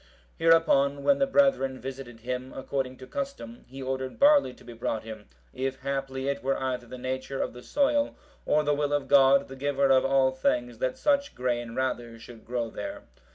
Hereupon, when the brethren visited him according to custom, he ordered barley to be brought him, if haply it were either the nature of the soil, or the will of God, the Giver of all things, that such grain rather should grow there.